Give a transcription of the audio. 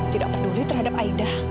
tidak peduli terhadap aida